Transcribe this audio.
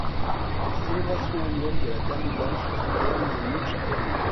Les célébrations annuelles de la dame blanche se déroule en août chaque année.